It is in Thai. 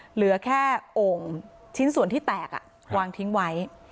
เหลือแค่โอ่งชิ้นส่วนที่แตกวางทิ้งไว้